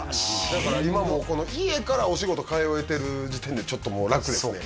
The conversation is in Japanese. だから今もう家からお仕事通えてる時点でちょっともう楽ですね